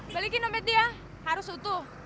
balikin novet dia harus utuh